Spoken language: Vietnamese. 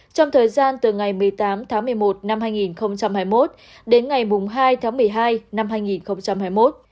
trong thời gian từ ngày một mươi tám tháng một mươi một năm hai nghìn hai mươi một đến ngày hai tháng một mươi hai năm hai nghìn hai mươi một